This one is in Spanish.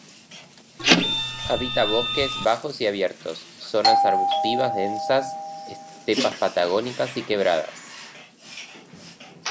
Habita bosques bajos y abiertos, zonas arbustivas densas, estepas patagónicas y quebradas.